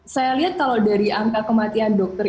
saya lihat kalau dari angka kematian dokter